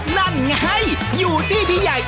นั่นไงอยู่ที่ที่ใหญ่